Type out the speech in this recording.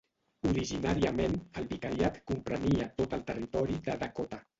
Originàriament el vicariat comprenia tot el territori de Dakota.